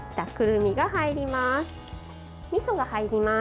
みそが入ります。